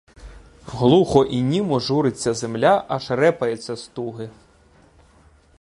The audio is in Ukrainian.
Глухо і німо журиться земля, аж репається з туги.